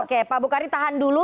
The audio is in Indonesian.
oke pak bukhari tahan dulu